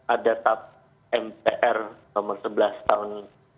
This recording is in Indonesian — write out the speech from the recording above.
ada tab mpr nomor sebelas tahun